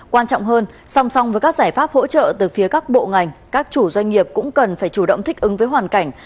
quan trọng hơn song song với các giải pháp hỗ trợ từ phía các bộ ngành các chủ doanh nghiệp cũng cần phải chủ động thích ứng với hoàn cảnh